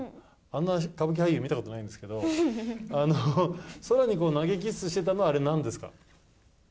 あんな歌舞伎俳優見たことないんですけど、空に投げキッスしてたのは、あれ、なんですか？